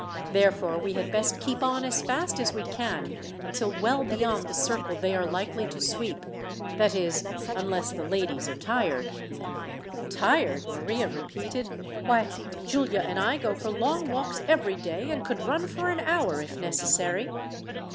Therefore, we had best keep on as fast as we can, until well beyond the circle they are likely to sweep that is, unless the ladies are tired." "Tired!" Maria repeated. "Why, Giulia and I go for long walks every day, and could run for an hour, if necessary."